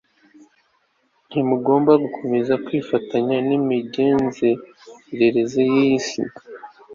ntimugomba gukomeza kwifatanya n'imigenzereze y'iyi si